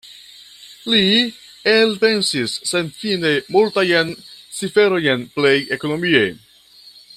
Li elpensis senfine multajn ciferojn plej ekonomie.